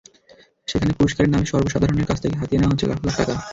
সেখানে পুরস্কারের নামে সর্বসাধারণের কাছ থেকে হাতিয়ে নেওয়া হচ্ছে লাখ লাখ টাকা।